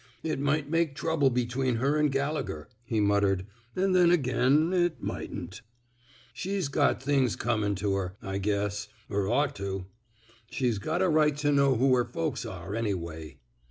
It might make trouble between her an' Gallegher," he muttered. *' An' then again it mightn't. ... She's got things comin' to her, I guess — er ought to. She's got a right to know who her folks are, anyway."